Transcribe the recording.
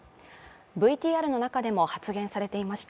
ＶＴＲの中でも発言されていました